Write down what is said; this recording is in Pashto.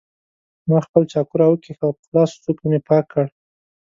ما خپل چاقو راوکېښ او په خلاصو څوکو مې پاک کړ.